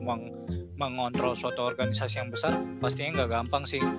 mau mengontrol suatu organisasi yang besar pastinya nggak gampang sih